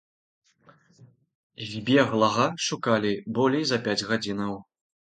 Збеглага шукалі болей за пяць гадзінаў.